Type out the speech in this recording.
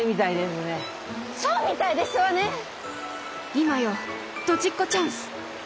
今よドジっ子チャンス！